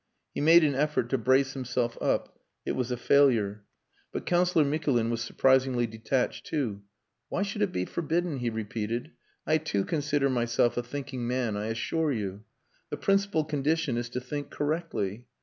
He made an effort to brace himself up. It was a failure. But Councillor Mikulin was surprisingly detached too. "Why should it be forbidden?" he repeated. "I too consider myself a thinking man, I assure you. The principal condition is to think correctly.